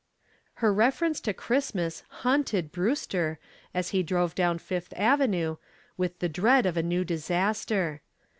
Her reference to Christmas haunted Brewster, as he drove down Fifth Avenue, with the dread of a new disaster.